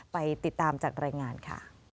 ไปติดตามจากรายงานค่ะ